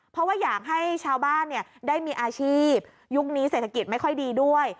เพราะว่าอยากให้ชาวบ้านได้มีอาชีพยุคนี้เศรษฐกิจไม่ค่อยดีด้วย